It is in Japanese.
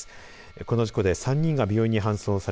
この事故で３人が病院に搬送され